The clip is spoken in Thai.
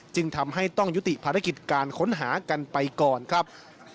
จึงทำให้ต้องยุติภารกิจการค้นหากันไปก่อนครับ